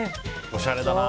おしゃれだな。